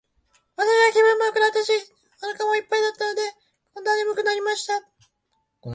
私は気分もよくなったし、お腹も一ぱいだったので、今度は睡くなりました。